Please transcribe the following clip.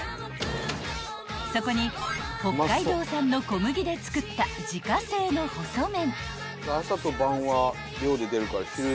［そこに北海道産の小麦で作った自家製の細麺］